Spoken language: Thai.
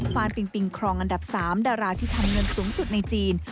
ฟานปิงปิงครองอันดับ๓ดาราที่ทำเงินสูงสุดในจีน